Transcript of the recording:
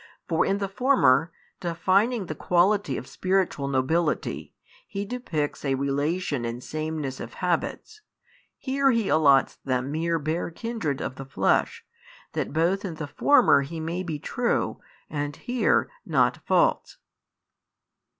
For in the former, defining the quality of spiritual nobility, He depicts a relation in sameness of habits, here He allots them mere bare kindred of |681 the flesh, that both in the former He may be true, and here not false.